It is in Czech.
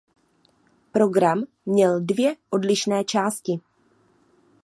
Program měl dvě odlišné části.